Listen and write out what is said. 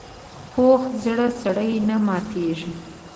پوخ زړه سړي نه ماتېږي